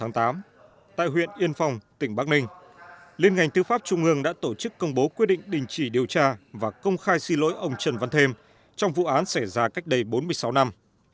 sáng một mươi một tháng tám tại huyện yên phong tỉnh bắc ninh liên ngành tư pháp trung ương đã tổ chức công bố quyết định đình chỉ điều tra và công khai xin lỗi ông trần văn thêm trong vụ án xảy ra cách đây bốn mươi sáu năm